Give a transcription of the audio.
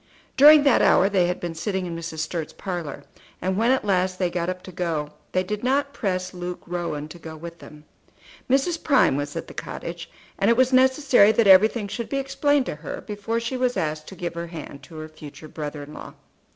During that hour they had been sitting in Mrs. Sturt's parlour; and when at last they got up to go they did not press Luke Rowan to go with them. Mrs. Prime was at the cottage, and it was necessary that everything should be explained to her before she was asked to give her hand to her future brother in law.